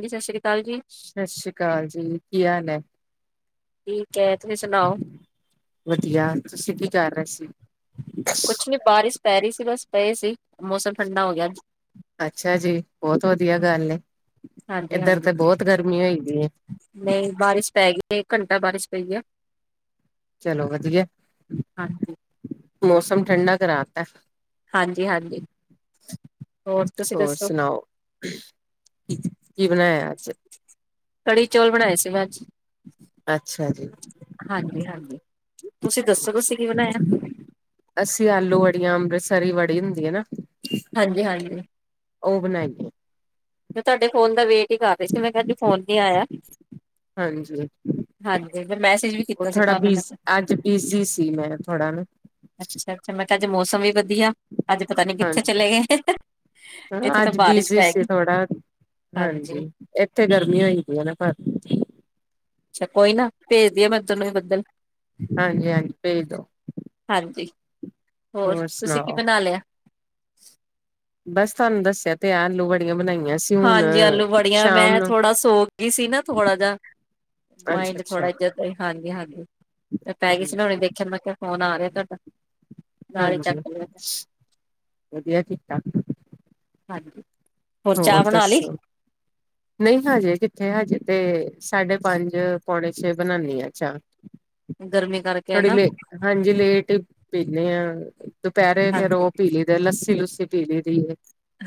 ਹਾਂਜੀ ਸਤਿ ਸ੍ਰੀ ਅਕਾਲ ਜੀ ਸਤਿ ਸ਼ੀ੍ ਅਕਾਲ ਜੀ। ਕੀ ਹਾਲ ਹੈ ਠੀਕ [unintelligible] ਹੈ ਤੁਸੀਂ ਸੁਣਾਓ। ਵਧੀਆ ਤੁਸੀਂ ਕੀ ਕਰ ਰਹੇ ਸੀ ਕੁਛ ਨੀ ਬਾਰਿਸ਼ ਪੈ ਰਹੀ ਸੀ ਬਸ, ਪਏ ਸੀ। ਮੌਸਮ ਠੰਡਾ ਹੋ ਗਿਆ ਅੱਛਾ ਜੀ ਬਹੁਤ ਵਧੀਆ ਗੱਲ ਹੈ। ਹਾਂਜੀ ਇੱਧਰ ਹਾਂਜੀ ਤੇ ਬਹੁਤ ਗਰਮੀ ਹੋ ਪਈ ਹੈ। ਨਹੀਂ ਬਾਰਿਸ਼ ਪਏਗੀ [unintelligible] ਘੰਟਾ ਬਾਰਿਸ਼ ਪਈ ਆ। ਚਲੋ ਵਧੀਆ। ਹਾਂਜੀ ਮੌਸਮ ਠੰਡਾ ਕਰਾਤਾ ਹੈ। ਹਾਂਜੀ-ਹਾਂਜੀ। ਹੋਰ ਸੁਣਾਓ? ਕੀ ਬਣਾਇਆ ਅੱਜ? ਕੜੀ ਚੌਲ ਬਣਾਏ ਸੀ ਮੈਂ ਅੱਜ। ਅੱਛਾ ਜੀ ਹਾਂਜੀ-ਹਾਂਜੀ, ਤੁਸੀਂ ਦੱਸੋ ਤੁਸੀਂ ਕੀ ਬਣਾਇਆ? ਸਰੀ ਵੜੀ ਹੁੰਦੀ ਹੈ ਨਾ। ਹਾਂਜੀ-ਹਾਂਜੀ। ਉਹ ਬਣਾਈ ਏ। ਮੈਂ ਤੁਹਾਡੇ ਫੋਨ ਦਾ ਵੇਟ ਹੀ ਕਰ ਰਹੀ ਸੀ, ਮੈਂ ਕਿਹਾ ਅੱਜ ਫੋਨ ਨੀ ਆਇਆ। ਹਾਂਜੀ, ਹਾਂਜੀ ਮੈਂ ਮੈਸੇਜ ਵੀ ਉਹ ਕੀਤਾ ਸੀ ਥੋੜਾ ਤੁਹਾਨੂੰ ਮੈਂ ਬੀਜ਼, ਕਿਹਾ ਅੱਜ ਬਿਜ਼ੀ ਸੀ ਮੈਂ, ਥੋੜਾ ਨਾ। ਅੱਛਾ ਅੱਛਾ ਮੈਂ ਅੱਜ ਮੌਸਮ ਵੀ ਵਧੀਆ ਅੱਜ ਪਤਾ ਨੀ ਕਿੱਥੇ ਹਾਂਜੀ ਚਲੇ ਗਏ, ਇੱਥੇ ਤਾਂ ਅੱਜ ਬਾਰਿਸ਼ ਬਿਜੀ ਪੈ ਸੀ ਗਈ। ਥੋੜਾ, ਹਾਂਜੀ ਇੱਥੇ ਗਰਮੀ ਹੋਈ ਦੀ ਹੈ ਨਾ ਪਰ। ਅੱਛਾ, ਕੋਈ ਨਾ ਭੇਜਦੀ ਆ ਮੈਂ ਤਨੂੰ ਵੀ ਬੱਦਲ। ਹਾਂਜੀ-ਹਾਂਜੀ ਪੇਜ ਦੋ। ਹਾਂਜੀ। ਹੋਰ ਤੁਸੀਂ ਕੀ ਬਣਾ ਲਿਆ? [inaudible] ਬਸ ਤੁਹਾਨੂੰ ਦੱਸਿਆ ਤੇ ਆ ਆਲੂ ਵੜੀਆਂ ਬਣਾਈਆਂ। ਸੀ ਹੁਣ ਹਾਂਜੀ ਆਲੂ ਵੜੀਆਂ, ਸ਼ਾਮ ਮੈਂ ਨੂੰ ਥੋੜਾ ਸੋਕ ਗਈ ਸੀ ਨਾ ਥੋੜਾ ਜਾਂ, ਮਾਇੰਡ ਅੱਛਾ-ਅੱਛਾ ਥੋੜਾ ਇੱਜਤ ਏ, ਹਾਂਜੀ-ਹਾਂਜੀ ਮੈਂ ਪੈ ਗਈ ਹੂੰ ਸੀ ਨਾ, ਹੁਣੇ ਦੇਖਆ ਮੈਂ ਕਿਹਾ ਫੋਨ ਆ ਰਿਹਾ। [inaudible] ਨਾਲ ਹੀ ਹਾਂਜੀ, ਚੱਕ ਲਿਆ ਵਧੀਆ ਕਿ ਤਾ। ਹਾਂਜੀ। ਚਾਹ ਹੋਰ ਬਣਾ ਲਈ ਦੱਸੋ? ਨਹੀਂ ਹਜੇ ਕਿਥੇ, ਹਜੇ ਤੇ ਸਾਢੇ ਪੰਜ ਪੋਣੇ ਛੇ ਬਣਾਨੀ ਆ ਚਾਹ। ਗਰਮੀ ਕਰਕੇ ਥੋੜੀ ਹਨਾ ਲੇਟ, ਹਾਂਜੀ ਲੇਟ ਪੀਣੀ ਆ ਦੁਪਹਿਰੇ ਫੇਰ ਹਾਂਜੀ। ਉਹ ਪੀਲੀ ਦਾ ਏ ਲੱਸੀ ਲੁੱਸ ਪੀਲੀ ਦੀ ਏ।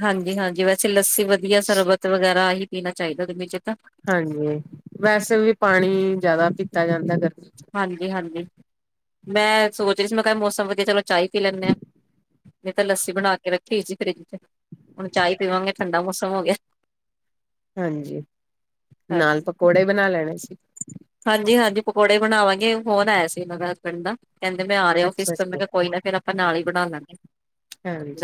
ਹਾਂਜੀ-ਹਾਂਜੀ ਵੈਸੇ ਲੱਸੀ ਵਧੀਆ, ਸਰਬਤ ਵਗੈਰਾ ਆਹ ਹੀ ਪੀਣਾ ਚਾਹੀਦਾ ਗਰਮੀ ਚ। ਤਾਂ ਹਾਂਜੀ, ਵੈਸੇ ਵੀ ਪਾਣੀ ਜਿਆਦਾ ਪੀ ਤਾ ਜਾਂਦਾ ਗਰਮੀ ਹਾਂਜੀ-ਹਾਂਜੀ। ਮੈਂ ਸੋਚ ਰਹੀ ਸੀ, ਮੈਂ ਕਿਹਾ ਅੱਜ ਮੌਸਮ ਵਧੀਆ ਚਲੋ ਚਾਹ ਹੀ ਪੀ ਲੈਨੇ ਆ। ਨਹੀਂ ਤਾਂ ਲੱਸੀ ਬਣਾ ਕੇ ਰੱਖੀ ਸੀ ਫਰਿੱਜ ਚ ਹੁਣ ਚਾਹ ਪੀਵਾਂਗੇ ਠੰਡਾ ਮੌਸਮ ਹੋ ਗਿਆ ਹਾਂਜੀ ਨਾਲ ਪਕੌੜੇ ਬਣਾ ਲੈਣੇ ਸੀ ਹਾਂਜੀ ਹਾਂਜੀ ਪਕੌੜੇ ਬਣਾਵਾਂਗੇ ਫੋਨ ਆਇਆ ਸੀ ਮੇਰੇ ਹਸਬੈਂਡ ਦਾ ਕਹਿੰਦੇ ਮੈਂ ਆ ਰਿਹਾ ਫਿਸ ਤੋਂ ਮੈਂ ਅੱਛਾ-ਅੱਛਾ ਕਿਹਾ ਕੋਈ ਨਾ ਫਿਰ ਆਪਾਂ ਨਾਲ ਹੀ ਬਣਾ ਲਾਂਗੇ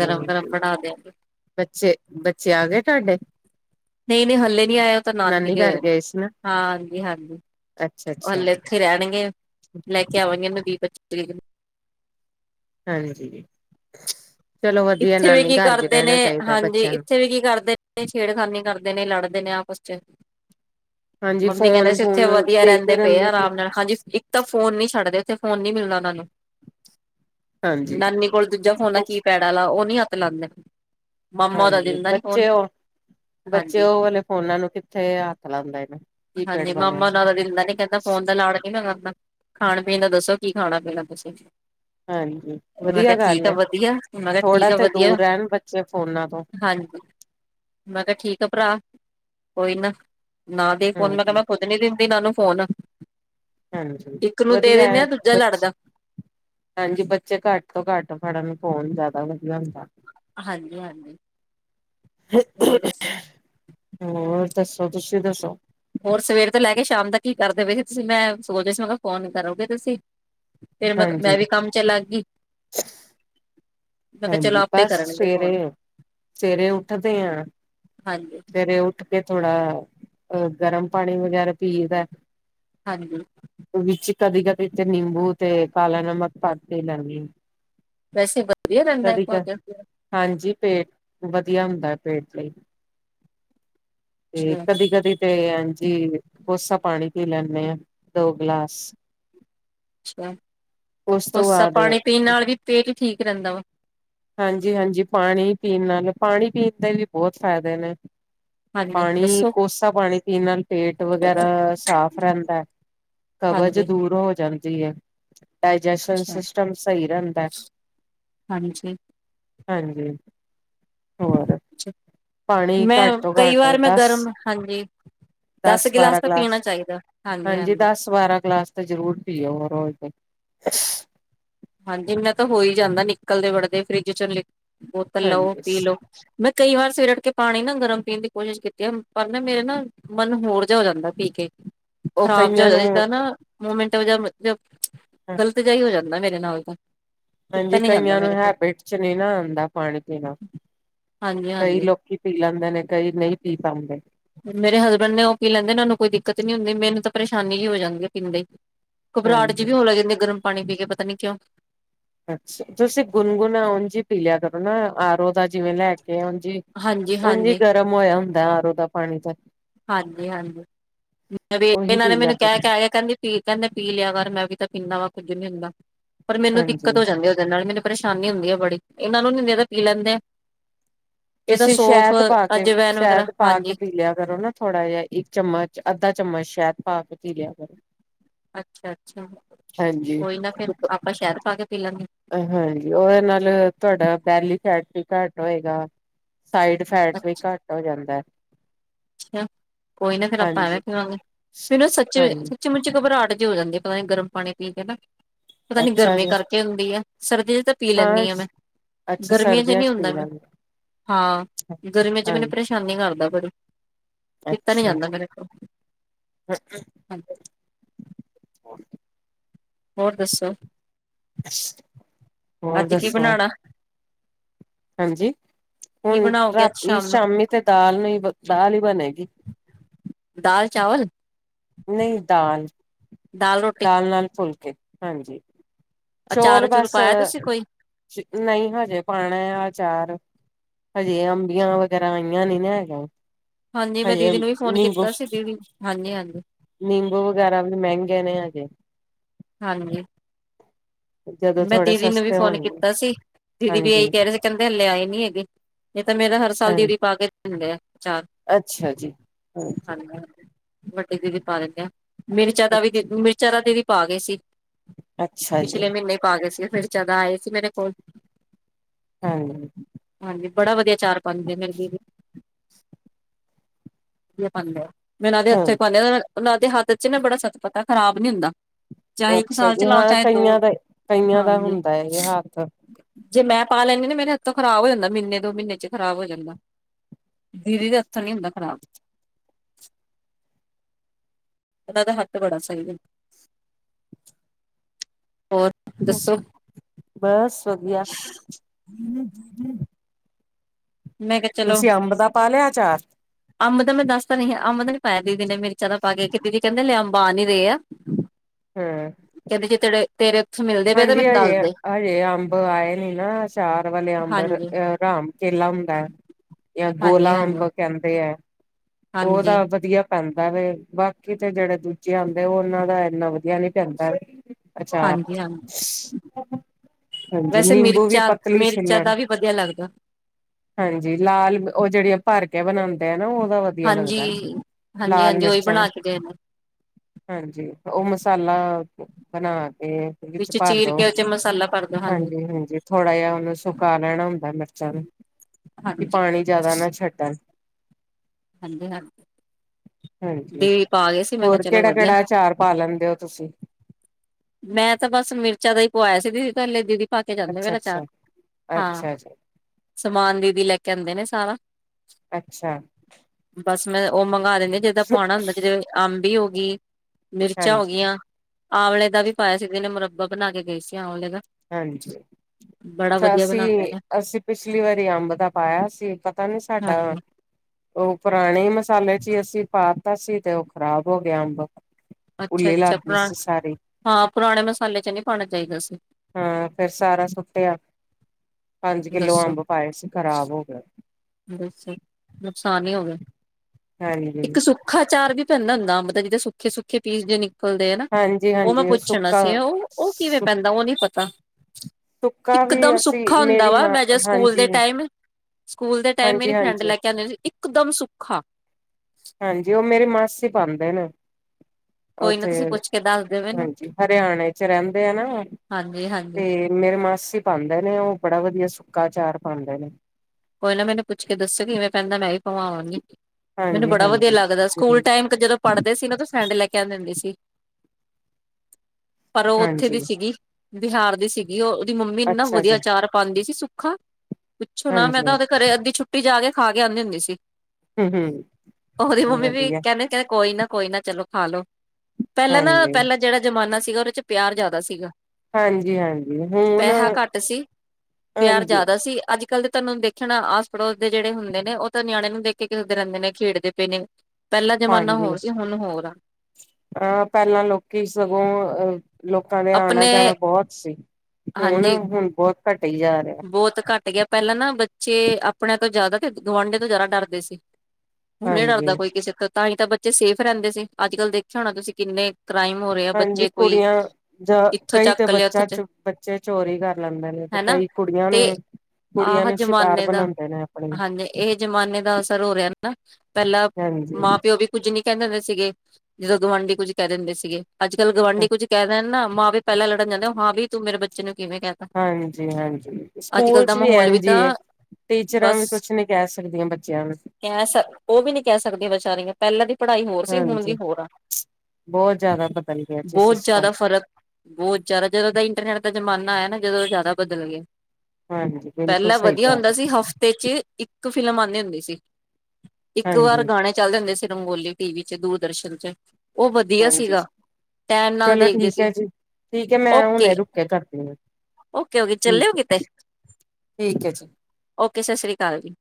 ਗਰਮ ਗਰਮ ਬਣਾ ਦਿਆਂਗੇ ਬੱਚੇ ਬੱਚੇ ਆ ਗਏ ਤੁਹਾਡੇ ਨਹੀਂ ਨਹੀਂ ਹੱਲੇ ਨੀ ਆਇਆ ਉਹ ਤਾਂ ਨਾਨਕੇ ਨਾਨੀ ਗਏ ਘਰ ਆ ਸੀ ਨਾ ਹਾਂ ਹਾਂਜੀ ਹਾਂਜੀ ਉਹ ਅੱਛਾ-ਅੱਛਾ, ਹੱਲੇ ਉੱਥੇ ਰਹਿਣਗੇ ਲੈ ਕੇ ਆਵਾਂਗੇ ਉਹਨੂੰ ਵੀਹ ਬੱਚੇ ਠੀਕ [unintelligible] ਹਾਂਜੀ ਚਲੋ ਵਧੀਆ ਇੱਥੇ ਵੀ ਨਾਨੀ ਕੀ ਘਰ ਕਰਦੇ ਨੇ ਰਹਿਣਾ ਚਾਹੀਦਾ ਹਾਂਜੀ ਬੱਚਿਆਂ ਨੂੰ। ਇੱਥੇ ਵੀ ਕੀ ਕਰਦੇ ਨੇ ਛੇੜਖਾਨੀ ਕਰਦੇ ਨੇ ਲੜਦੇ ਨੇ ਆਪ ਅੱਛਾ ਹਾਂਜੀ ਮੰਮੀ ਕਹਿੰਦੇ ਸੀ ਫੋਨ-ਫੂਨ ਉੱਥੇ ਵਧੀਆ ਦੇਖਦੇ ਰਹਿੰਦੇ ਪਏ ਆ ਆਰਾਮ ਨਾਲ ਹਾਂਜੀ ਇੱਕ ਤਾਂ ਫੋਨ ਨੀ ਛੱਡਦੇ ਤੇ ਫੋਨ ਨੀ ਮਿਲਣਾ ਉਹਨਾਂ ਨੂੰ ਹਾਂਜੀ, ਨਾਨੀ ਕੋਲ ਦੂਜਾ ਫੋਨਾ ਕੀ ਉਹ ਨੀ ਹੱਥ ਲਾਉਂਦੇ ਹਾਂਜੀ ਬੱਚੇ ਉਹ ਬੱਚੇ ਹਾਂਜੀ ਉਹ ਵਾਲੇ ਫੋਨਾਂ ਨੂੰ ਕਿੱਥੇ ਹੱਥ ਲਾਉਂਦੇ ਨੇ ਕੀਪੈਡ ਹਾਂਜੀ ਵਾਲਿਆਂ ਮਾਮਾ ਨੂੰ ਉਹਨਾਂ ਦਾ ਦਿਲਦਾ ਨੀ ਕਹਿੰਦਾ ਫੋਨ ਦਾ ਲਾੜ ਕੇ ਪ ਕਰਨਾ ਖਾਣ ਪੀਣ ਦਾ ਦੱਸੋ ਕੀ ਖਾਣਾ ਪੀਣਾ ਤੁਸੀਂ ਹਾਂਜੀ। ਮੈਂ ਵਧੀਆ ਕਿਹਾ ਠੀਕ ਗੱਲ ਆ ਏ ਵਧੀਆ ਮੈਂ ਕਿਹਾ ਠੀਕ ਥੋੜਾ ਆ ਤੇ ਵਧੀਆ ਦੂਰ ਰਹਿਣ ਬੱਚੇ ਫੋਨਾਂ ਤੋਂ ਹਾਂਜੀ ਮੈਂ ਕਿਹਾ ਠੀਕ ਆ ਭਰਾ ਕੋਈ ਨਾ ਨਾ ਦੇ ਹੁਣ ਮੈਂ ਕਹਿਣਾ ਹੂੰ, ਖੁਦ ਨੀ ਇਹ ਨੂੰ ਫੋਨ ਹਾਂਜੀ ਇੱਕ ਨੂੰ ਦੇ ਵਧੀਆ ਦਿੰਦੇ ਹੈ ਆ ਦੂਜਾ ਲੜਦਾ ਹਾਂਜੀ ਬੱਚੇ ਘੱਟ ਤੋਂ ਘੱਟ ਫੜਨ ਫੋਨ ਜਿਆਦਾ ਵਧੀਆ ਹੁੰਦਾ ਹਾਂਜੀ ਹਾਂਜੀ ਹੋਰ ਦੱਸੋ ਹੋਰ ਦੱਸੋ ਤੁਸੀਂ ਦੱਸੋ ਹੋਰ ਸਵੇਰ ਤੋਂ ਲੈ ਕੇ ਸ਼ਾਮ ਦਾ ਕੀ ਕਰਦੇ ਬ ਤੁਸੀਂ ਮੈਂ ਸਲ ਵਜੇ ਮ ਫ਼ੋਨ ਨ ਕਰੋਗੇ ਤੁਸੀਂ ਫਿਰ ਮੈਂ ਮੈਂ ਵੀ ਹਾਂਜੀ-ਹਾਂਜੀ ਕੰਮ ਚ' ਲੱਗ ਗੀ ਹਾਂਜੀ ਬਸ ਸਵੇਰੇ ਸਵੇਰੇ ਉੱਠਦੇ ਹਾਂ ਹਾਂਜੀ ਸਵੇਰੇ ਉੱਠ ਕੇ ਥੋੜ੍ਹਾ ਅਹ ਗਰਮ ਪਾਣੀ ਵਗੈਰਾ ਪੀਅ ਦਾ ਹਾਂਜੀ ਕਦੀ ਕਦੀ ਤੇ ਨਿੰਬੂ ਤੇ ਕਾਲਾ ਨਮਕ ਲੈਨੀ ਆ ਵੈਸੇ ਵਧੀਆ ਰਹਿੰਦਾ ਕਦੀ ਹੈ ਕਦੀ ਅੱਛਾ ਹਾਂਜੀ ਪੇਟ ਵਧ ਵਧੀਆ ਹੁੰਦਾ ਪੇਟ ਲਈ ਤੇ ਕਦੀ ਕਦੀ ਤੇ ਹਾਂਜੀ ਕੋਸਾ ਪਾਣੀ ਪੀ ਲੈਂਦੇ ਹਾਂ ਦੋ ਗਿਲਾਸ ਅੱਛਾ ਤੋਂ ਕੋਸਾ ਬਾਅਦ ਪਾਣੀ ਪੀਣ ਨਾਲ ਵੀ ਪੇਟ ਠੀਕ ਰਹਿੰਦਾ ਵਾ ਹਾਂਜੀ ਹਾਂਜੀ ਪਾਣੀ ਪੀਣ ਨਾਲ ਪਾਣੀ ਪੀਣ ਦੇ ਵੀ ਬਹੁਤ ਫ਼ਾਇਦੇ ਨੇ ਹਾਂਜੀ ਪਾਣੀ ਦੱਸੋ ਕੋਸਾ ਪਾਣੀ ਪੀਣ ਨਾਲ ਪੇਟ ਵਗੈਰਾ ਸਾਫ਼ ਰਹਿੰਦਾ ਕਬਜ਼ ਹਾਂਜੀ ਦੂਰ ਹੋ ਜਾਂਦਾ ਜੀ ਹੈ ਡਾਇਜੈਸ਼ਨ ਅੱਛਾ ਸਿਸਟਮ ਸਹੀ ਰਹਿੰਦਾ। ਹਾਂਜੀ ਹਾਂਜੀ ਹੋਰ ਪਾਣੀ ਮੈਂ ਘੱਟ ਤੋਂ ਕਈ ਘੱਟ ਵਾਰ ਮੈਂ ਦਸ ਗਰਮ ਹਾਂਜੀ -ਦਸ ਗਿਲਾਸ ਬਾਰਾਂ ਤਾਂ ਪੀਣਾ ਗਲਾਸ ਚਾਹੀਦਾ ਹਾਂਜੀ ਦਸ -ਬਾਰਾਂ ਗਲਾਸ ਤਾਂ ਜ਼ਰੂਰ ਪੀਓ ਰੋਜ਼ ਦੇ- [unintelligible] ਹਾਂਜੀ, ਮੈਂ ਤਾਂ ਹੋ ਹੀ ਜਾਂਦਾ, ਨਿਕਲਦੇ ਵੜਦੇ ਫਰਿੱਜ ਚ ਲੇ। ਬੋਤਲ ਲਓ ਹਾਂਜੀ ਪੀ ਲਓ। ਮੈਂ ਕਈ ਵਾਰ ਸਵੇਰੇ ਉਠ ਕੇ ਪਾਣੀ ਨਾ ਗਰਮ ਪੀਣ ਦੀ ਕੋਸ਼ਿਸ਼ ਕੀਤੀ ਹੈ। ਪਰ ਨਾ ਮੇਰੇ ਨਾ ਮਨ ਹੋਰ ਜਿਹਾ ਹੋ ਜਾਂਦਾ, ਪੀ ਕੇ ਉਹ ਖ਼ਰਾਬ ਜੇਆ ਕਈਆਂ ਹੋਇਆ, ਨੂੰ ਜਿੱਦਾਂ ਨਾ ਮੋਮਟ ਜ [unintelligible] ਗਲਤ ਜਿਹਾ ਹੋ ਜਾ। ਮੇਰੇ [unintelligible] ਉਹੀ ਤਾਂ ਪੀਤਾ ਹਾਂਜੀ, ਨੀ ਜਾਂਦਾ ਕਈਆਂ ਨੂੰ ਮੇਰੇ ਕੋਲ ਹੈਬਿਟ ਚ ਨਹੀਂ ਨਾ ਆਉਂਦਾ। ਪਾਣੀ ਪੀਣਾ ਹਾਂਜੀ ਕਈ ਹਾਂਜੀ ਲੋਕੀ ਪੀ ਲੈਂਦੇ ਨੇ ਕਈ ਨਹੀਂ ਪੀ ਪਾਉਂਦੇ। ਮੇਰੇ ਹਸਬੈਂਡ ਨੇ ਉਹ ਪੀ ਲੈਂਦੇ ਨੇ, ਉਹਨੂੰ ਕੋਈ ਦਿੱਕਤ ਨੀ ਹੁੰਦੀ। ਮੈਨੂੰ ਤਾਂ ਪਰੇਸ਼ਾਨੀ ਹੀ ਹੋ ਜਾਂਦੀ ਹੈ। ਪੀਂਦੇ ਹੀ ਘਬਰਾਹਟ ਜੀ ਵੀ ਹਾਂਜੀ ਹੋਣ ਲੱਗ ਜਾਂਦੀ ਗਰਮ ਪਾਣੀ ਪੀ ਕੇ ਪਤਾ ਨੀ ਕਿਉਂ ਅੱਛਾ, ਤੁਸੀਂ ਗੁਣਗੁਣਾ ਉਂਝ ਈ ਪੀ ਲਿਆ ਕਰੋ, ਨਾ ਆਰੋ ਦਾ ਜਿਵੇਂ ਲੈ ਕੇ ਜੀ, ਹਾਂਜੀ ਹਾਂਜੀ ਉਂਝ ਈ ਹਾਂਜੀ ਗਰਮ ਹੋਇਆ ਹੁੰਦਾ। ਆਰੋ ਦਾ ਪਾਣੀ ਤਾਂ ਹਾਂਜੀ, ਹਾਂਜੀ ਵੇਖ ਉਹੀ ਇਹਨਾਂ ਪੀ ਨੇ ਲਿਆ ਮੈਨੂੰ ਕਹਿ ਕਰੋ ਕਹਿ ਕੇ ਕਹਿੰਦੀ ਪੀ ਕਹਿੰਦੇ ਪੀ ਲਿਆ ਕਰ, ਮੈਂ ਵੀ ਤਾਂ ਪੀਂਦਾ ਵਾ। ਕੁਝ ਨਹੀਂ ਹੁੰਦਾ। ਪਰ ਮੈਨੂੰ ਦਿੱਕਤ ਹਾਂਜੀ ਹੋ ਜਾਂਦੀ ਏ। ਉਹਦੇ ਨਾਲ ਮੈਨੂੰ ਪਰੇਸ਼ਾਨੀ ਹੁੰਦੀ ਹੈ ਬੜੀ ਇਹਨਾਂ ਨੂੰ ਨੀ ਦੇ ਤਾਂ ਪੀ ਲੈਂਦੇ ਆ। ਇਹ ਤਾਂ ਤੁਸੀਂ ਸੌਫ ਸ਼ਹਿਦ ਪਾ ਕੇ, ਅਜਵੈਨ ਵਗੈਰਾ ਸ਼ਹਿਦ ਪਾ ਕੇ ਹਾਂਜੀ ਪੀ ਲਿਆ ਕਰੋ ਨਾ। ਥੋੜਾ ਜਿਹਾ ਇੱਕ ਚਮਚ, ਅੱਧਾ ਚਮਚ, ਸ਼ਾਇਦ ਪਾ ਕੇ ਪੀ ਲਿਆ ਕਰੋ। ਅੱਛਾ, ਅੱਛਾ ਹਾਂਜੀ। ਕੋਈ ਨਾ ਫੇਿਰ ਆਪਾਂ ਸ਼ਹਿਦ ਪਾ ਕੇ ਪੀ ਲੈਂਣਾਂ। ਹਾਂਜੀ, ਉਹਦੇ ਨਾਲ ਤੁਹਾਡਾ ਬੈਲੀ ਫੈਟ ਵੀ। ਘੱਟ ਹੋਏਗਾ ਸਾਈਡ ਫੈਟ ਵੀ ਘੱਟ ਹੋ ਜਾਂਦਾ ਏ ਅੱ ਕੋਈ ਨਾ ਫੇਰ ਆਪਾਂ ਐਵੇਂ ਹਾਂਜੀ ਕਵਾਂਗੇ ਫਨ ਸੱਚੀ ਹਾਂਜੀ ਸੱਚੀ-ਮੁੱਚੀ ਘਬਰਾਟ ਹੋ ਜਾਂਦੀ ਆ ਪਤਾ ਨੀ ਗਰਮ ਪਾਣੀ ਪੀ ਕੇ ਨਾ ਪਤਾ ਨੀ ਅੱਛਾ ਗਰਮੀ ਜੀ ਕਰਕੇ ਹੁੰਦੀ ਆ ਸਰਦੀ ਚ ਤਾਂ ਪੀ ਲੈਂਦੀ ਹਾਂ ਮੈਂ। ਅੱਛਾ ਗਰਮੀਆਂ ਚ ਸਰਦੀਆਂ ਨਹੀਂ ਹੁੰਦਾ ਪੀ ਮੈਂ ਲੈਂਦੇ ਹਾਂ ਗਰਮੀਆਂ ਚ ਮੈਨੂੰ ਹਾਂਜੀ ਪਰੇਸ਼ਾਨੀ ਕਰਦਾ ਬੜੀ। ਪੀਤਾ ਨੀ ਜਾਂਦਾ ਮੇਰੇ ਕੋਲ। ਹ [inaudible] ਹਾਂਜੀ ਹੋਰ ਦੱਸੋ- ਹੋਰ ਅੱਜ ਕੀ ਦੱਸੋ- ਬਣਾਣਾ ਹਾਂਜੀ ਹੁਣ ਕੀ ਬਣਾਓਗੇ ਅੱਜ ਰਾਤੀ ਸ਼ਾਮ ਨੂੰ ਸ਼ਾਮੀ ਤੇ ਦਾਲ ਹੀ ਬਣੇਗੀ ਦਾਲ ਚਾਵਲ ਨਹੀਂ ਦਾਲ ਦਾਲ ਨਾਲ ਫੁਲਕੇ ਹਾਂਜੀ- ਚੋਲ ਅਚਾਰ ਅਚੂਰ ਬਸ ਪਾਇਆ ਤੁਸੀਂ ਕੋਈ ਨਹੀਹਜੇ ਪਾਣਾ ਆ ਚਾਰ ਹਜੇ ਅੰਬੀਆਂ ਵਗੈਰਾ ਆਈਆਂ ਨੀ ਹੈਗਾ ਹਾਂਜੀ ਹਜ ਮੈਂ ਦੀਦੀ ਨੂੰ ਵੀ ਫੋਨ ਨਿੰਬੂ ਕੀਤਾ ਸੀ ਦੀਦੀ ਹਾਂਜੀ ਹਾਂਜੀ -ਨਿੰਬੂ ਵਗੈਰਾ ਵੀ ਮਹਿੰਗੇ ਨੇ [inaudible] ਹਾਂਜੀ- ਜਦੋਂ ਮੈਂ ਥੋੜੇ ਦੀਦੀ ਨੂੰ ਵੀ ਸਸਤੇ ਫੋਨ ਹੋਣਗੇ ਕੀਤਾ ਸੀ ਦੀਦੀ ਵੀ ਇਹੀ ਹਾਂਜੀ ਕਹਿ ਰਹੇ ਸੀ ਕਹਿੰਦੇ ਹਲੇੇ ਆਏ ਨੀ ਹੈਗੇ ਨਹੀਂ ਤਾਂ ਮੇਰਾ ਹਰ ਹਾਂ ਹਲਦੀ ਵੀ ਪਾਂ ਕੇ [unintelligible] ਹੁੰਦੇ [unintelligible] ਅੱਛਾ ਜੀ ਹਾਂਜੀ- ਵੱਡੀ ਦੀਦੀ ਪਾ ਦਿੰਦੇ ਆ- ਮਿਰਚਾਂ ਦਾ ਵੀ ਮਿਰਚਾਂ ਦਾ ਦੀਦੀ ਪਾ ਗਏ ਸੀ ਅੱਛਾ ਜੀ ਇਸ ਵਾਰ ਜੈਦ ਆਏ ਸੀ ਮੇਰੇ ਕੋਲ ਹੂ- ਹਾਂਜੀ ਬੜਾ ਵਧੀਆ ਚਾਰ ਪੰਜ ਦਿਨ ਦੀ [inaudible] ਕੀ ਬਣਦੇ- [unintelligible] ਉਹਨਾਂ ਦੇ ਹਾਂ ਹੱਥ ਚ ਨਾ ਬੜਾ ਸੱਚ ਪਤਾ ਖਰਾਬ ਨੀ ਹੁੰਦਾ ਚਾਹੇ ਇੱਕ ਅੱਛਾ ਸਾਲ ਜੀ ਚਲਾਓ ਹਾਂ ਚਾਹੇ ਦੋ ਕਈਆਂ ਦਾ, ਕਈਆਂ ਦਾ ਹਾਂਜੀ ਹੁੰਦਾ ਐ, ਹੱਥ ਜੇ ਮੈਂ ਪਾ ਲੈਂਦੀ ਨਾ ਮੇਰੇ ਹੱਥੋਂ ਖ਼ਰਾਬ ਹੋ ਜਾਂਦਾ ਮਹੀਨੇ ਦੋ ਮਹੀਨੇ ਚ ਖਰਾਬ ਹੋ ਜਾਂਦਾ ਦੀਦੀ ਦਾ ਹੱਥੋਂ ਨੀ ਹੁੰਦਾ ਖ਼ਰਾਬ [unintelligible] ਇਹਨਾਂ ਦਾ ਹੱਥ ਬੜਾ ਸਹੀ ਏ ਹੋਰ ਦੱਸੋ ਬਸ ਵਧੀਆ [unintelligible] ਮੈਂ ਕਿਹਾ ਚਲੋ ਤੁਸੀਂ ਅੰਬ ਦਾ ਪਾ ਲਿਆ। ਚਾਰ ਅੰਬ ਦਾ ਮੈਂ ਦੱਸ ਤਾਂ ਰਹੀ ਆਂ, ਅੰਬ ਦਾ ਨੀ ਪਾਇਆ ਦੀਦੀ ਨੇ, ਮਿਰਚਾਂ ਦਾ ਪਾ ਕੇ ਦੀਦੀ ਕਹਿੰਦੇ ਹਲੈ ਅੰਬ ਆ ਨੀਂ ਰਹੇ ਆ। ਹਮ ਕੈਂਦੇ ਤੇਡੇ ਤੇਰੇ ਉੱਥੋਂ ਮਿਲਦੇ ਪਏ ਤਾਂ ਹਾਂਜੀ ਮੈਨੂੰ ਦੱਸ ਹਜੇ ਦੇ ਹਜੇ ਅੰਬ ਆਏ ਨੀ ਨਾਂ ਅਚਾਰ ਵਾਲੇ ਅੰਬ ਹਾਂਜੀ ਰਾਮ ਕੇਲਾ ਹੁੰਦਾ ਜਾਂ ਹਾਂਜੀ ਹਾਂਜੀ ਗੋਲਾ ਅੰਬ ਕਹਿੰਦੇ ਆ। ਉਹ ਹਾਂਜੀ ਤਾਂ ਵਧੀਆ ਪੈਂਦਾ ਵੇ ਬਾਕੀ ਤੇ ਜਿਹੜੇ ਦੂਜੇ ਆਂਦੇ ਉਹਨਾਂ ਦਾ ਇੰਨਾ ਵਧੀਆ ਨੀ ਪੈਂਦਾ ਵ ਅੱਛਾ ਹਾਂਜੀ ਹਾਂਜੀ ਹਾਂਜੀ ਵੈਸੇ ਨਿੰਬੂ ਵੀ ਮਿਰਚਾਂ ਪਤਲੀ ਮਿਰਚਾਂ ਛਿੱਲੜ, ਦਾ ਵੀ ਵਧੀਆ ਲੱਗਦਾ ਹਾਂਜੀ ਲਾਲ ਉਹ ਜਿਹੜੀ ਭਰ ਕੇ ਬਣਾਉਂਦੇ ਆ ਨਾ ਉਹ ਵਧੀਆ ਹਾਂਜੀ ਲੱਗਦਾ ਹਾਂਜੀ ਲਾਲ ਹਾਂਜੀ ਉਹੀ ਮਿਰਚਾਂ ਬਣਾ ਕੇ ਗਏ ਨੇ ਹਾਂਜੀ ਉਹ ਮਸਾਲਾ ਬਣਾ ਕੇ ਵਿੱਚ ਭਰ ਚੀਰ ਦੋ ਕੇ ਉਹ ਚ ਮਸਾਲਾ ਭਰ ਦੋ ਹਾਂਜੀ, ਹਾਂਜੀ ਥੋੜਾ ਜਿਹਾ ਉਹਨੂੰ ਸੁਕਾ ਲੈਣਾ ਹੁੰਦਾ ਮਿਰਚ ਅੱਛ ਕਿ ਹਾਂਜੀ ਪਾਣੀ ਜਿਆਦਾ ਨਾ ਛੱਡਣ। ਹਾਂਜੀ ਹਾਂਜੀ, ਹਾਂਜੀ ਦੀਦੀ ਪਾ ਗਏ ਸੀ ਮੈਂ ਕਿਹਾ ਹੋਰ ਚਲੋ ਕਿਹੜਾ ਵਧੀਆ ਕਿਹੜਾ ਅਚਾਰ ਪਾ ਲੈਂਦੇ ਹੋ ਤੁਸੀਂ ਮੈਂ ਤਾਂ ਬਸ ਮਿਰ ਰਚਾ ਦਾ ਹੀ ਪਵਾਇਆ ਸੀ ਤੇ ਹਲੇ ਦੀਦੀ ਪਾ ਕੇ ਜਾਂਦੇ ਅੱਛਾ ਮੇਰਾ ਚਾਰ ਅੱਛਾ ਹਾਂ ਅੱਛਾ ਜੀ ਸਮਾਨ ਦੀਦੀ ਲੈ ਕੇ ਆਂਦੇ ਨੇ ਹਾਂ ਅੱਛਾ ਬਸ ਮੈਂ ਉਹ ਮੰਗਵਾ ਦਿੰਦੇ ਜਿੱਦਾਂ ਪੁਉਣਾ ਹੁੰਦਾ ਜਿਦਾਂ ਅੰਬੀ ਹੋ ਗ ਜੀ। ਮਿਰਚਾਂ ਹੋ ਹਾਂਜੀ ਗਈਆਂ। ਆਵਲੇ ਦਾ ਵੀ ਪਾਇਆ ਸੀ ਦੀ ਨੇ ਮੁਰੱਬਾ ਬਣਾ ਕੇ ਗਈ ਸੀ ਆਂਵਲੇ ਦਾ। ਹਾਂਜੀ ਬੜਾ ਵਧੀਆ ਬਣਾਉਂਦੇ ਅਸੀਂ, ਨੇ ਅਸੀਂ ਪਿਛਲੀ ਵਾਰੀ ਅੰਬ ਦਾ ਪਾਇਆ ਸੀ ਪਤਾ ਨੀ ਸਾਡਾ ਹਾਂਜੀ ਉਹ ਪੁਰਾਣੇ ਮਸਾਲੇ ਚ ਹੀ ਅਸੀਂ ਪਾਤਾ ਸੀ ਤੇ ਉਹ ਖ਼ਰਾਬ ਹੋ ਗਿਆ ਅੰਬ ਅੱਛਾ ਉੱਲੀ ਅੱਛਾ ਲੱਗ ਗਈ ਪੁਰਾ ਸੀ ਸਾਰੀ ਹਾਂ ਪੁਰਾਣੇ ਮਸਾਲੇ ਚ ਨਹੀਂ ਪਾਉਣਾ ਚਾਹੀਦਾ ਸੀ ਹਾਂ ਫੇਿਰ ਸਾਰਾ ਸੁੱਟਿਆ ਪੰਜ ਕਿੱਲੋ ਅੰਬ ਪਾਏ ਸੀ ਖ਼ਰਾਬ ਹੋ ਗਏ ਬਸ ਨੁਕਸਾਨ ਹੀ ਹੋ ਗ ਹਾਂਜੀ ਇੱਕ ਸੁੱਖਾ ਚਾਰ ਵੀ ਪਦਾ ਹੁੰਦਾਤਾ ਜਿਹਾਂ ਸੁੇ ਸੁੇੀਸ ਜ ਨਿਕਲਦੇ ਹੈ ਨਾ ਹਾਂਜੀ ਉਹ ਮੈਂ ਹਾਂਜੀ ਪੁੱਛਣਾ ਸੁੱਕਾ ਸੀ ਉਹ ਉਹ ਕਿਵੇਂ ਸੁ ਪੈਂਦਾ ਉਹ ਨੀ ਪਤਾ ਸੁੱਕਾ ਇਕ ਵੀ ਦਮ ਅਸੀਂ ਸੁਖਾ ਹੁੰਦਾ ਮੇਰੀ ਵਾ ਮਾਂ ਮੈਂ ਜੇ ਸਕੂਲ ਦੇ ਹਾਂਜੀ ਟਾਈਮ ਸਕੂਲ ਦੇ ਟਾਈਮ ਹਾਂਜੀ ਮੇਰੀ ਫਰੈਂਡ ਹਾਂਜੀ ਲੈ ਕੇ ਆਉਂਦੇ ਸੀ ਇੱਕਦਮ [unintelligible] ਹਾਂਜੀ ਉਹ ਮੇਰੇ ਮਾਸੀ ਪਾਉਂਦੇ ਨੇ ਕੋਈ ਨਾ ਉੱਥੇ ਤੁਸੀਂ ਪੁੱਛ ਕੇ ਦੱਸ ਦਿਓ ਮੈਨੂੰ ਹਾਂਜੀ ਹਰਿਆਣੇ ਚ ਰਹਿੰਦੇ ਆ ਨਾ ਹਾਂਜੀ ਹਾਂਜੀ ਤੇ ਮੇਰੇ ਮਾਸੀ ਪਾਉਂਦੇ ਨੇ ਉਹ ਬੜਾ ਵਧੀਆ ਸੁ ੱਕਾਚਾਰ ਪਾਉਂਦੇ ਨੇ ਕੋਈ ਨਾ ਮੈਨੂੰ ਪੁੱਛ ਕੇ ਦੱਸੋ ਕਿਵੇਂ ਕਹਿੰਦਾ ਮੈਂ ਹੀ ਪਵਾ ਆ ਮੈਨੂੰ ਹਾਂਜੀ ਬੜਾ ਵਧੀਆ ਹਾਂਜੀ ਲੱਗਦਾ ਸਕੂਲ ਜ਼ਰੂਰ ਟਾਈਮ ਜਦੋਂ ਪੜ੍ਹਦੇ ਸੀ ਨਾ ਉਹ ਤਾਂ ਸੈਂਡੇ ਲੈ ਕੇ ਆਉਂਦੇ ਹੁੰਦੇ ਸੀ ਪਰ ਉਹ ਉੱਥੇ ਹਾਂਜੀ ਦੀ ਸੀਗੀ ਬਿਹਾਰ ਦੀ ਸੀਗੀ ਉਹ ਦੀ ਮੰਮੀ ਇੰਨਾ ਅੱਛਾ ਜੀ ਵਧੀਆ ਚਾਰ ਪਾਉਂਦੀ ਸੀ ਸੁੱਖਾ ਪੁੱਛੋ ਨਾ ਮੈਂ ਹਾਂਜੀ ਉਹਦੇ ਘਰੇ ਅੱਧ ਛੁੱਟੀ ਜਾਏ ਖਾ ਕੇ ਆਉਂਦੇ ਹੁੰਦੇ ਸੀ ਹਮ ਹਮ ਉਹਦੀ ਮੰਮੀ ਵੀ ਵਧੀਆ ਕਹਿੰਦੇ ਕਹਿੰਦੇ ਕੋਈ ਨਾ ਕੋਈ ਨਾ ਚਲੋ ਹਲੋ ਪਹਿਲਾਂ ਨਾ ਹਾਂਜੀ ਪਹਿਲਾਂ ਜਿਹੜਾ ਜਮਾਨਾ ਸੀਗਾ ਚ ਪਿਆਰ ਜ਼ਿਆਦਾ ਸੀਗਾ ਹਾਂਜੀ ਹਾਂਜੀ ਹੁਣ ਪੈਸਾ ਘੱਟ ਹਾਂਜੀ ਕੱਲ ਤੇ ਤੁਹਾਨੂੰ ਦੇਖ ਣਾ ਆਸ ਪੜੋਸ ਦੇ ਜਿਹੜੇ ਹੁੰਦੇ ਨੇ ਉਹ ਤਾਂ ਨਿਆਣੇ ਨੂੰ ਦੇਖ ਕਿਸ ਹਦੇ ਰਹਿੰਦੇ ਨੇ ਖੇਡਦੇ ਪਏ ਨੇ ਪਹਿਲਾ ਜ਼ਮਾਨਾ ਹਾਂਜੀ ਹੋਰ ਸੀ ਹੁਣ ਹੋਰ ਆ ਅਹ ਪਹਿਲਾਂ ਲੋਕੀ ਸਗੋਂ ਅ ਲੋਕਾਂ ਦੇ ਆਣਾ ਆਪਣੇ ਜਾਣਾ ਬਹੁਤ ਸੀ ਹੁਣ ਹਾਂਜੀ ਹੁਣ ਬਹੁਤ ਘਟੀ ਜਾ ਰਿਹਾ ਬਹੁਤ ਘੱਟ ਗਿਆ ਪਹਿਲਾਂ ਨਾ ਬੱਚੇ ਆਪਣ ਤੋਂ ਜ਼ਿਆਦਾ ਤੇ ਗੁਆਂਢੇ ਤੋਂ ਜ਼ਿਆਦਾ ਡਰਦੇ ਸੀ ਹੁ ਨਹੀਂ ਡਰਦਾ ਹਾਂਜੀ ਕੋਈ ਕਿਸੇ ਤਾਂ ਹੀ ਤਾਂ ਬੱਚੇ ਸੇਫ ਰਹਿੰਦੇ ਸੀ ਅੱਜ ਕੱਲ੍ਹ ਦੇਖਿਆ ਹੋਣਾ ਤੁਸੀਂ ਕਿੰਨੇ ਕ੍ਰਾਈਮ ਹੋ ਰਹੇ ਆ ਹਾਂਜੀ ਬੱਚੇ ਕੋਈ ਕੁੜੀਆਂ ਜ ਇੱਥੋਂ ਕਈ ਤੇ ਚੱਕ ਲਿਆ ਉੱਥੋਂ ਬੱਚਾ ਚ ਬੱਚੇ ਚੋਰੀ ਕਰ ਲੈਂਦੇ ਨੇ ਤੇ ਹਨਾ ਕਈ ਕੁੜੀ ਤੇ ਆਹ ਜਮਾਨੇ ਦਾ ਬਣਾਉਂਦੇ ਨੇ ਆਪਣੀ ਹਾਂਜੀ ਇਹ ਜ਼ਮਾਨੇ ਦਾ ਅਸਰ ਹੋ ਰਿਹਾ। ਨਾ। ਪਹਿਲਾਂ ਹਾਂਜੀ ਮਾਂ-ਪਿਓ ਵੀ ਕੁੱਝ ਨੀ ਕਹਿੰਦੇ ਹੁੰਦੇ ਸੀਗੇ, ਜਦੋਂ ਗੁਆਂਢੀ ਕੁੱਝ ਕਹਿ ਦਿੰਦੇ ਸੀਗੇ। ਅੱਜ ਕੱਲ ਗੁਆਂਢੀ ਕੁੱਝ ਕਹਿ ਦੇਣ ਨਾ ਮਾਂ ਵੀ ਪਹਿਲਾਂ ਲੜਨ ਜਾਂਦੀ ਹੋ ਹਾਂ ਵੀ ਤੂੰ ਮੇਰੇ ਬੱਚੇ ਨੂੰ ਕਿਵੇਂ ਕਹਿ ਤਾ ਹਾਂਜੀ-ਹਾਂਜੀ। ਅੱਜ ਕਲ ਦਾ ਮਾਹੌਲ ਵੀ ਤਾਂ ਟੀਚਰਾਂ ਬਸ ਵੀ ਕੁਛ ਨੀ ਕਹਿ ਸਕਦੀਆਂ ਬੱਚਿਆਂ ਨੂੰ ਕੇ ਸਕ ਔ ਵੀ ਨਹੀ ਕੇ ਸਕਦੇ ਵਿਚਾਰੀਆਂ, ਪਹਿਲਾਂ ਦੀ ਪੜ੍ਹਾਈ ਹੋਰ ਸੀ ਹੁਣ ਹਾਂਜੀ ਦੀ ਹੋਰ ਆ। ਬਹੁਤ ਜ਼ਿਆਦਾ ਬਦਲ ਗਿਆ ਜੀ ਬਹੁਤ ਸਿਸਟਮ ਜ਼ਿਆਦਾ ਫ਼ਰਕ ਬਹੁਤ ਜ਼ਿਆਦਾ ਜਦੋਂ ਦਾ ਇੰਟਰਨੈਟ ਦਾ ਜਮਾ ਨਾ ਆਇਆ ਨਾ ਜਦੋਂ ਦਾ ਜ਼ਿਆਦਾ ਬਦਲ ਗਿਆ। ਹਾਂਜੀ ਬਿਲਕੁਲ ਪਹਿਲਾਂ ਸਹੀ ਵਧੀਆ ਕਹਿ ਹੁੰਦਾ ਰਹੇ ਸੀ ਹਫ਼ਤੇ ਚ ਇੱਕ ਫਿਲਮ ਆਂਦੀ ਹੁੰਦੀ ਸੀ। ਇੱਕ ਵਾਰ ਹਾਂਜੀ ਗਾਣੇ ਚੱਲਦੇ ਹੁੰਦੇ ਸੀ। ਰੰਗੋਲੀ ਟੀ ਵੀ ਚ ਦੂਰਦਰਸ਼ਨ ਚ। ਉਹ ਵਧੀਆ ਹਾਂਜੀ, ਸੀਗਾ ਟੈਮ ਨਾਲ ਚਲੋ ਦੇਖਦੇ ਠੀਕ ਸੀ ਏ ਜੀ ਠੀਕ ਏ ਮੈਂ ਹੁਣੇ ਰੁਕ ਕੇ ਕਰਦੀ ਹਾਂ। ਔ ਕੇ, ਔ ਕੇ, ਠੀਕ ਚਲੇ ਹੋ ਹੈ ਕਿਤੇ? ਠੀਕ ਹੈ ਜੀ ਔ ਕੇ। ਕੇ ਸਸ ਸ੍ਰੀ ਕਾਲ ਜੀ।